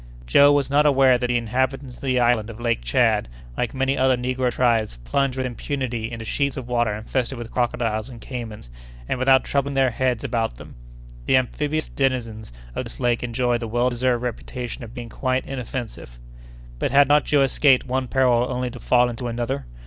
Joe was not aware that the inhabitants of the islands of Lake Tchad, like many other negro tribes, plunge with impunity into sheets of water infested with crocodiles and caymans, and without troubling their heads about them. The amphibious denizens of this lake enjoy the well deserved reputation of being quite inoffensive. But had not Joe escaped one peril only to fall into another?